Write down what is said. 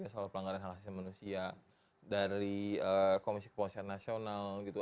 soal pelanggaran hak asasi manusia dari komisi kepolisian nasional gitu